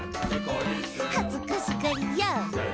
「はずかしがりや！」